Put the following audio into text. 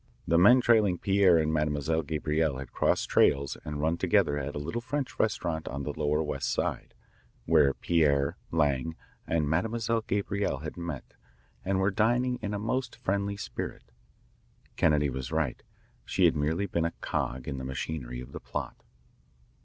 The men trailing Pierre and Mademoiselle Gabrielle had crossed trails and run together at a little French restaurant on the lower West Side, where Pierre, Lang, and Mademoiselle Gabrielle had met and were dining in a most friendly spirit. Kennedy was right. She had been merely a cog in the machinery of the plot.